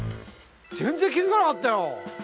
全然気づかなかったよ